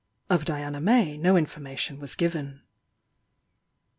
Of Diana May no information was given.